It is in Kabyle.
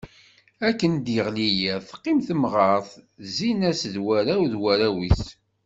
Akken d-yeɣli yiḍ, teqqim temɣert zzin-as-d warraw n warraw-is.